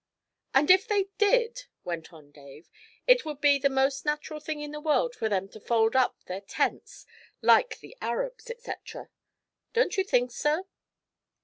'And if they did,' went on Dave, 'it would be the most natural thing in the world for them to "fold up their tents like the Arabs," etc. Don't you think so?'